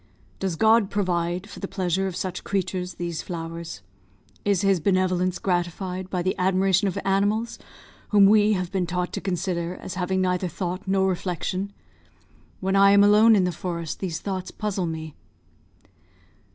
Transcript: Does God provide, for the pleasure of such creatures, these flowers? Is His benevolence gratified by the admiration of animals whom we have been taught to consider as having neither thought nor reflection? When I am alone in the forest, these thoughts puzzle me."